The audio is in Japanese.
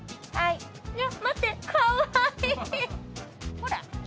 ほら。